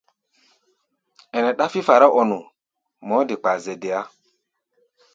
Ɛɛ ɗáfí fará-ɔ-nu, mɔɔ́ de kpaa zɛ deá.